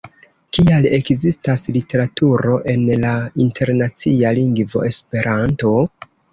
Kial ekzistas literaturo en la internacia lingvo Esperanto?